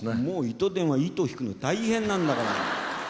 糸電話の糸を引くのが大変なんだから。